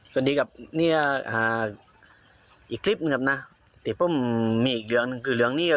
สวัสดีกับเนี่ยอีกคลิปนะที่ผมมีอีกเหลืองคือเหลืองนี้ก็